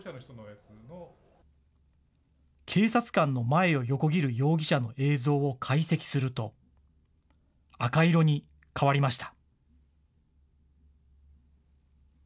警察官の前を横切る容疑者の映像を解析すると、赤色に変わりました。